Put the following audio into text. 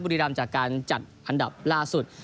บุรีรำจากการจัดอันดับล่าสุด